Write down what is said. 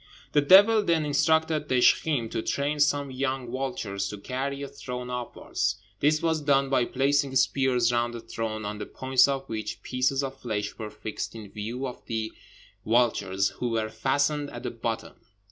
The devil then instructed Dizjkheem to train some young vultures to carry a throne upwards; this was done by placing spears round the throne, on the points of which pieces of flesh were fixed in view of the vultures, who were fastened at the bottom.